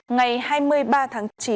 ngày hai mươi ba tháng chín